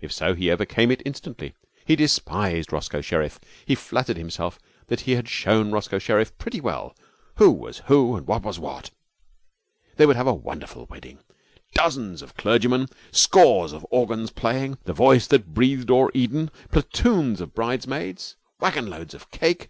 If so he overcame it instantly. He despised Roscoe Sherriff. He flattered himself that he had shown Roscoe Sherriff pretty well who was who and what was what. They would have a wonderful wedding dozens of clergymen, scores of organs playing 'The Voice that Breathed o'er Eden,' platoons of bridesmaids, wagonloads of cake.